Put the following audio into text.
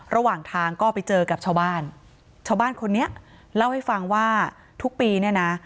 ระหว่างทางก็ไปเจอกับชาวบ้านชาวบ้านคนนี้เล่าให้ฟังว่าทุกปีเนี่ยนะ